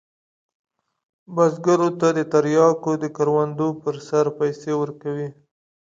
بزګرو ته د تریاکو د کروندو پر سر پیسې ورکوي.